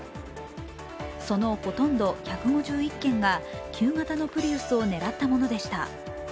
そのほとんど、１５１件が旧型のプリウスを狙ったものでした。